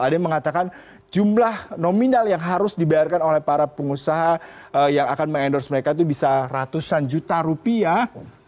ada yang mengatakan jumlah nominal yang harus dibayarkan oleh para pengusaha yang akan mengendorse mereka itu bisa ratusan juta rupiah